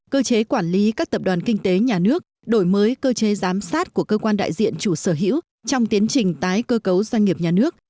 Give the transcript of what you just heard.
cơ chế quản lý các tập đoàn kinh tế nhà nước đổi mới cơ chế giám sát của cơ quan đại diện chủ sở hữu trong tiến trình tái cơ cấu doanh nghiệp nhà nước